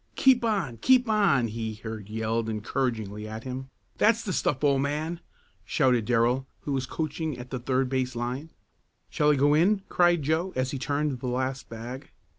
"Keep on! Keep on!" he heard yelled encouragingly at him. "That's the stuff, old man!" shouted Darrell, who was coaching at the third base line. "Shall I go in?" cried Joe as he turned the last bag.